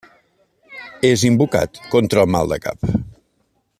És invocat contra el mal de cap.